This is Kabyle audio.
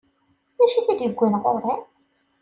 D acu i t-id-iwwin ɣur-i?